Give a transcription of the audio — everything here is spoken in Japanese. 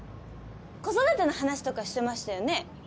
子育ての話とかしてましたよね。